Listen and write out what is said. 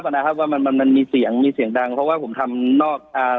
นะครับว่ามันมันมันมีเสียงมีเสียงดังเพราะว่าผมทำนอกอ่า